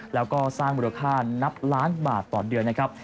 แล้วก็สร้างมูลค่านับล้านบาทต่อเดือนนะครับ